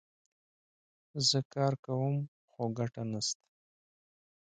زه کار کوم ، خو ګټه نه سته